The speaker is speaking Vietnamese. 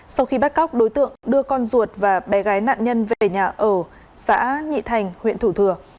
sau khi bắt cóc đối tượng đưa con ruột và bé gái nạn nhân về nhà ở xã nhị thành huyện thủ thừa